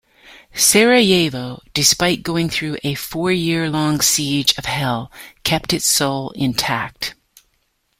Sarajevo, despite going through a four-year-long siege of hell, kept its soul intact.